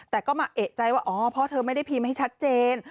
แต่ก็มาเอกใจว่าพ่อเธอไม่ได้พีมให้ชัดเจน